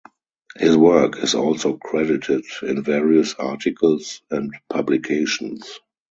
His work is also credited in various articles and publications.